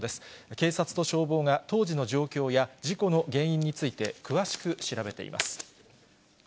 警察と消防が当時の状況や事故の原因について、詳しく調べています。